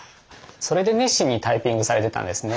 それで熱心にタイピングされてたんですね。